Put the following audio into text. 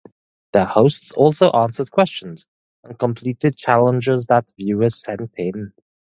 The hosts also answered questions and completed challenges that viewers sent in.